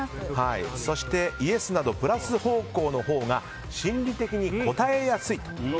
そしてイエスなどプラス方向のほうが心理的に答えやすいと。